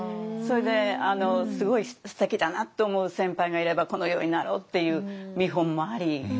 それですごいすてきだなって思う先輩がいればこのようになろうっていう見本もあり。